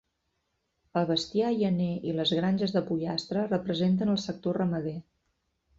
El bestiar llaner i les granges de pollastre representen el sector ramader.